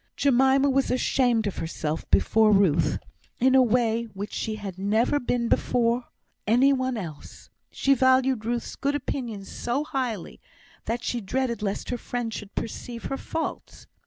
Jemima was ashamed of herself before Ruth, in a way which she had never been before any one else. She valued Ruth's good opinion so highly, that she dreaded lest her friend should perceive her faults.